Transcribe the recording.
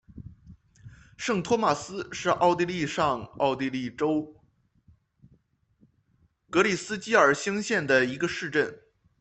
圣托马斯是奥地利上奥地利州格里斯基尔兴县的一个市镇。